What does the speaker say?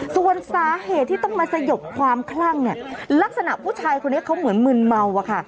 ส่วนสาเหตุที่ต้องมาสยบความคลั่งเนี่ยลักษณะผู้ชายคนนี้เขาเหมือนมึนเมาอะค่ะ